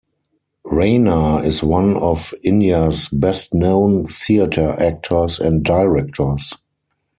Raina, is one of India's best-known theatre actors and directors.